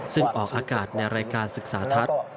ซึ่งออกอากาศในรายการศึกษาทัศน์